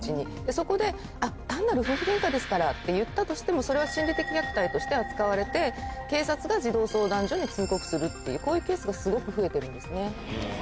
そこで「単なる」。って言ったとしてもそれは心理的虐待として扱われて警察が児童相談所に通告するっていうこういうケースがすごく増えてるんですね。